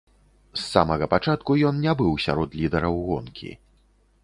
З самага пачатку ён не быў сярод лідараў гонкі.